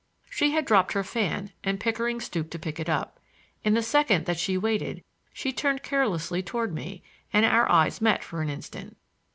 She had dropped her fan, and Pickering stooped to pick it up. In the second that she waited she turned carelessly toward me, and our eyes met for an instant.